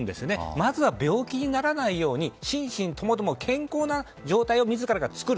まずは病気にならないように心身ともども健康な状態を自らが作る。